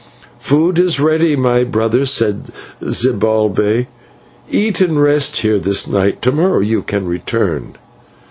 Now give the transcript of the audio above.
"'Food is ready, my brother,' said Zibalbay. 'Eat and rest here this night; to morrow you can return.'